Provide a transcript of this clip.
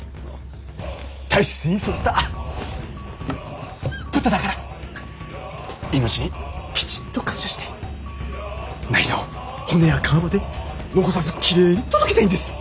大切に育てた豚だから命にきちんと感謝して内臓骨や皮まで残さずきれいに届けたいんです。